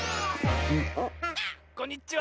こんにちは！